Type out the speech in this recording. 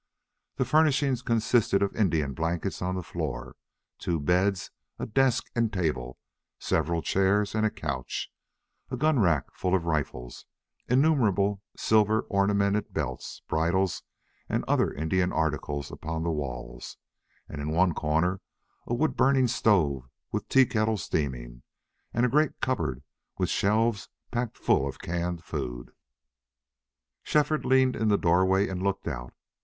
The furnishings consisted of Indian blankets on the floor, two beds, a desk and table, several chairs and a couch, a gun rack full of rifles, innumerable silver ornamented belts, bridles, and other Indian articles upon the walls, and in one corner a wood burning stove with teakettle steaming, and a great cupboard with shelves packed full of canned foods. Shefford leaned in the doorway and looked out.